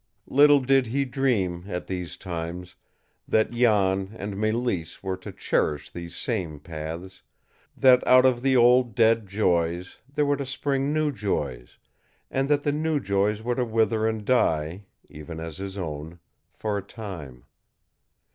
Little did he dream, at these times, that Jan and Mélisse were to cherish these same paths, that out of the old, dead joys there were to spring new joys, and that the new joys were to wither and die, even as his own for a time.